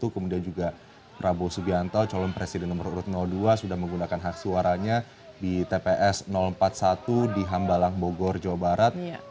kemudian juga prabowo subianto calon presiden nomor urut dua sudah menggunakan hak suaranya di tps empat puluh satu di hambalang bogor jawa barat